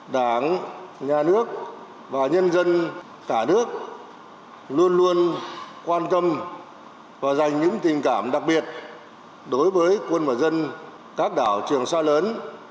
đảng nhà nước và nhân dân cả nước luôn luôn quan tâm và dành những tình cảm đặc biệt đối với quân và dân các đảo trường sa lớn